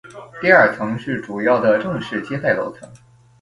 第二层是主要的正式接待楼层。